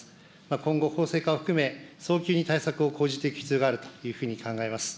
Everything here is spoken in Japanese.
今後、法制化を含め、早急に対策を講じていく必要があるというふうに考えます。